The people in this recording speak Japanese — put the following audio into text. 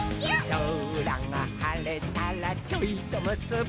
「そらがはれたらちょいとむすび」